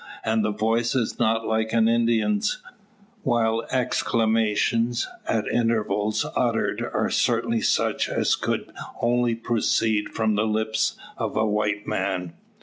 And the voice is not like an Indian's, while exclamations, at intervals uttered, are certainly such as could only proceed from the lips of a white man.